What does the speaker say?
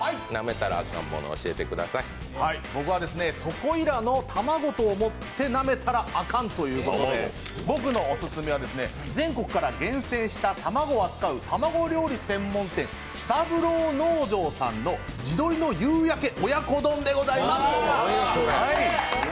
僕は、そこいらの卵と思ってなめたらアカンということで、僕のオススメは全国から厳選した卵を扱う卵料理専門店、喜三郎農場さんの地鶏のゆうやけ親子丼でございます。